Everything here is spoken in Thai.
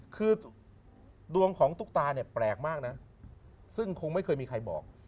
คือดวงของตุ๊กตาเนี่ยแปลกมากนะซึ่งคงไม่เคยมีใครบอก